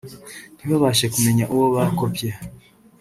ntibabashe kumenya uwo bakopye